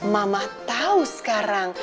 mama tau sekarang